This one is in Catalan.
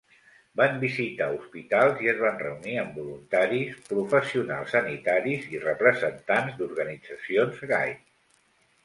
Van visitar hospitals i es van reunir amb voluntaris, professionals sanitaris i representants d'organitzacions gai.